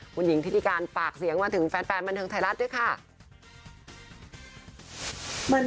คุณหญิงทิติการฝากเสียงมาถึงแฟนบันเทิงไทยรัฐด้วยค่ะ